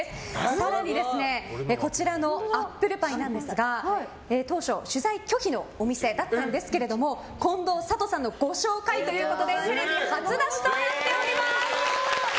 更にこちらのアップルパイなんですが当初、取材拒否のお店だったんですが近藤サトさんのご紹介ということですごい！